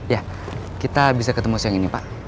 ya kita bisa ketemu siang ini pak